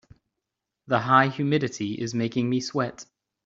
The high humidity is making me sweat.